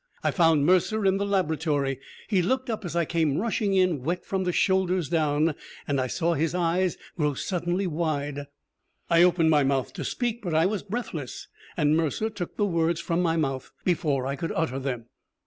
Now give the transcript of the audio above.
I found Mercer in the laboratory. He looked up as I came rushing in, wet from the shoulders down, and I saw his eyes grow suddenly wide. I opened my mouth to speak, but I was breathless. And Mercer took the words from my mouth before I could utter them.